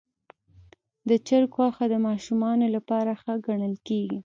د چرګ غوښه د ماشومانو لپاره ښه ګڼل کېږي.